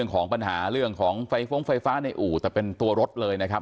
เรื่องของปัญหาเรื่องของไฟฟ้าในอู่แต่เป็นตัวรถเลยนะครับ